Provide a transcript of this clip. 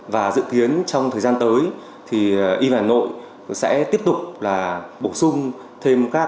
và dự kiến trong thời gian tới thì yên hà nội sẽ tiếp tục là bổ sung thêm các